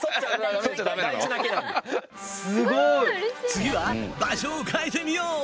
次は場所を変えてみよう！